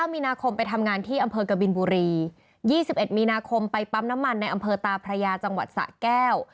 ๒๑มีนาคมไปปั๊บน้ำมันในอำเภอตาพระยาจังหวัดสะแก้ว